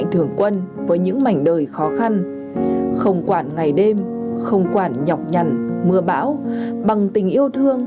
thưa quý vị hôm nay công an huyện hóc môn tp hcm cho biết